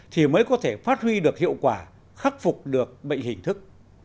thì mới có thể phát huy được hiệu quả khắc phục được bệnh hình thức